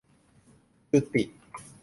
'จุติ'